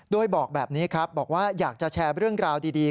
โดยบอกแบบนี้ครับบอกว่าอยากจะแชร์เรื่องราวดี